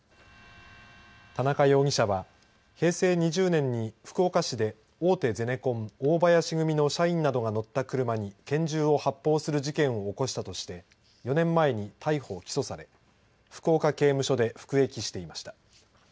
田中容疑者は平成２０年に福岡市で大手ゼネコン大林組の社員などが乗った車に拳銃を発砲する事件を起こしたとして４年前に逮捕、起訴され福岡刑務所で服役していました。